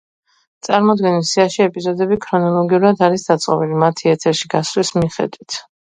წარმოდგენილ სიაში ეპიზოდები ქრონოლოგიურად არის დაწყობილი, მათი ეთერში გასვლის მიხედვით.